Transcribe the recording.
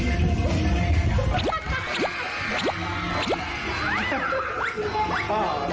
เอาแล้วเอาแล้วข้าวใหม่แล้ว